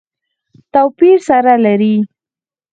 توپیر سره لري.